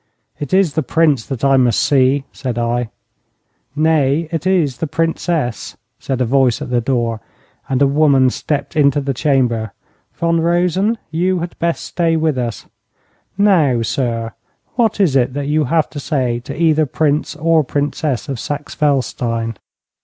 'It is the Prince that I must see,' said I. 'Nay, it is the Princess,' said a voice at the door, and a woman swept into the chamber. 'Von Rosen, you had best stay with us. Now, sir, what is it that you have to say to either Prince or Princess of Saxe Felstein?'